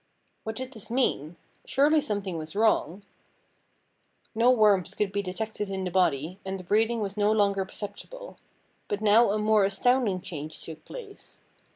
"What did this mean ? Surely something was wrong ? No warmth could be detected in the body, and the breathing was no longer perceptible. But now a more astounding change took place.